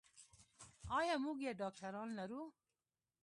ایا موږ یې ډاکتران لرو.